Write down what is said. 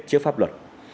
trước pháp luật